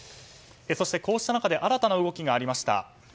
そして、こうした中で新たな動きがありました。